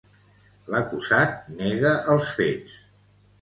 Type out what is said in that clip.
L'acusat nega els fets.